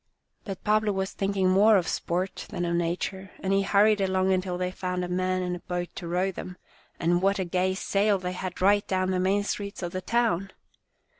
But Pablo was thinking more of sport than of nature, and he hurried along until they found a man and a boat to row them, and what a gay sail they had right down the main streets of the town